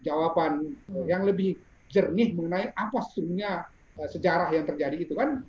jawaban yang lebih jernih mengenai apa sesungguhnya sejarah yang terjadi itu kan